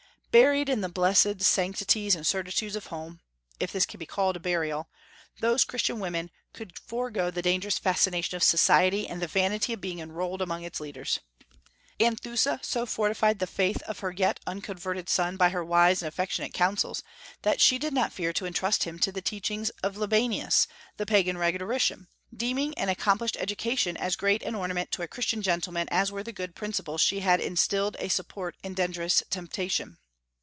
Buried in the blessed sanctities and certitudes of home, if this can be called a burial, those Christian women could forego the dangerous fascination of society and the vanity of being enrolled among its leaders. Anthusa so fortified the faith of her yet unconverted son by her wise and affectionate counsels, that she did not fear to intrust him to the teachings of Libanius, the Pagan rhetorician, deeming an accomplished education as great an ornament to a Christian gentleman as were the good principles she had instilled a support in dangerous temptation.